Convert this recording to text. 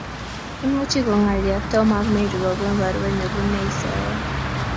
Imuchi kongalyo Tom ak Mary kobun baruet nebunei soet